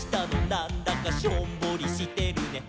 なんだかしょんぼりしてるね」